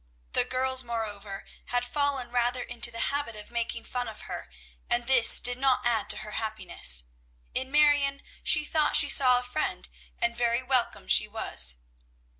The girls, moreover, had fallen rather into the habit of making fun of her, and this did not add to her happiness. In Marion she thought she saw a friend, and very welcome she was.